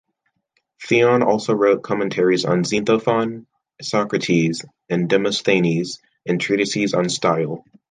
Theon also wrote commentaries on Xenophon, Isocrates and Demosthenes, and treatises on style.